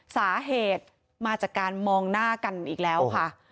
สาเหตุมาจากการมองหน้ากันอีกแล้วค่ะ